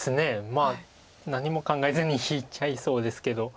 まあ何も考えずに引いちゃいそうですけど。